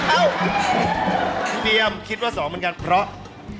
พี่เตียมคิดว่า๒เหมือนกันเพราะ